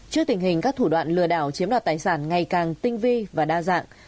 trước tình hình các thủ đoạn lừa đảo chiếm đoạt tài sản ngày càng tinh vi và đa dạng